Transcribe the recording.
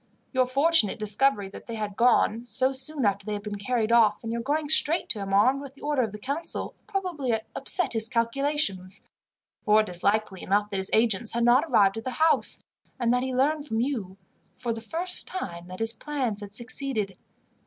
Your fortunate discovery that they had gone, so soon after they had been carried off, and your going straight to him armed with the order of the council, probably upset his calculations, for it is likely enough that his agents had not arrived at the house, and that he learned from you, for the first time, that his plans had succeeded.